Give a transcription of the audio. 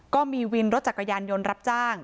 ก็มีวินรถจักรยานยนต์รับจ้าง